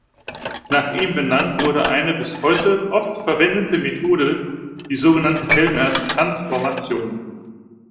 Nach ihm benannt wurde eine bis heute oft verwendete Methode, die sogenannte Helmert-Transformation.